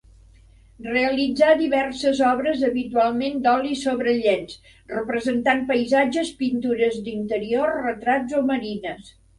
Realitzà diverses obres, habitualment d'oli sobre llenç, representant paisatges, pintures d'interior, retrats o marines.